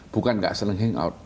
bukan gak seneng hangout